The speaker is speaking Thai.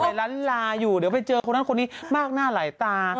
ล้านลาอยู่เดี๋ยวไปเจอคนนั้นคนนี้มากหน้าหลายตา